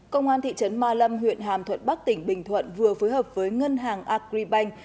công an thị trấn ma lâm huyện hàm thuận bắc tỉnh bình thuận vừa phối hợp với ngân hàng agribank